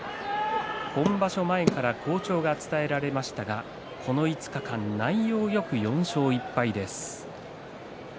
今場所前から好調が伝えられましたがこの５日間、内容よく４勝１敗です。